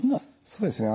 そうですね